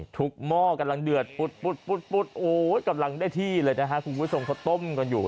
ทุกหม้อกำลังเดือดปุ๊ดปุ๊ดอาลังได้ที่คุณกุ๊ยส่งเขาต้มขวดอยู่